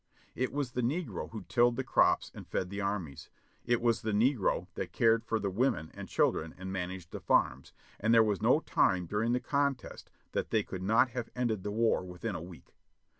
It was the negro who tilled the crops and fed the armies. It was the negro that cared for the women and children and managed the farms ; and there was no time during the contest that they could not have ended the war within a week.